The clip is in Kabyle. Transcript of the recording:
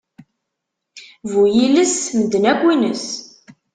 Bu yiles, medden akk yines.